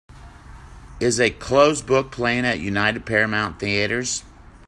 Is A Closed Book playing at United Paramount Theatres